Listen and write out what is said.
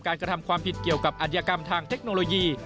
กระทำความผิดเกี่ยวกับอัธยกรรมทางเทคโนโลยี